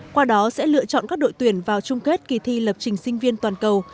qua đó sẽ lựa chọn các đội tuyển vào chung kết kỳ thi lập trình sinh viên toàn cầu